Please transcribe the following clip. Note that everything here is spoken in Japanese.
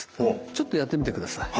ちょっとやってみてください。